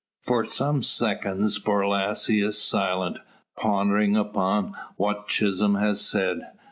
For some seconds Borlasse is silent, pondering upon what Chisholm has said.